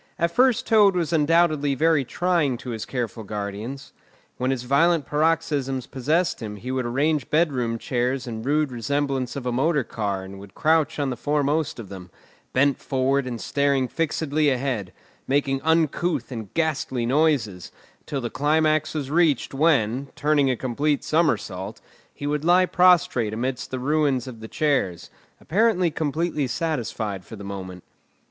At first Toad was undoubtedly very trying to his careful guardians. When his violent paroxysms possessed him he would arrange bedroom chairs in rude resemblance of a motor car and would crouch on the foremost of them, bent forward and staring fixedly ahead, making uncouth and ghastly noises, till the climax was reached, when, turning a complete somersault, he would lie prostrate amidst the ruins of the chairs, apparently completely satisfied for the moment.